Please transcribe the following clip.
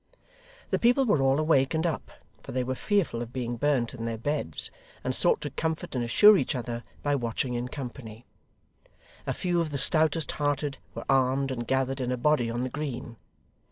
The people were all awake and up, for they were fearful of being burnt in their beds, and sought to comfort and assure each other by watching in company. A few of the stoutest hearted were armed and gathered in a body on the green.